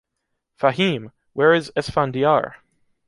Fahime! Where is Esfandiar?